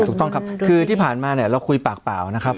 ถูกต้องครับคือที่ผ่านมาเนี่ยเราคุยปากเปล่านะครับ